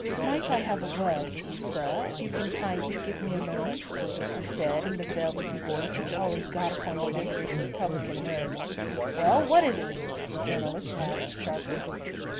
"Might I have a word with you, sir, if you can kindly give me a moment?" he said in the velvety voice which always got upon the visitor's republican nerves. "Well, what is it?" the journalist asked sharply.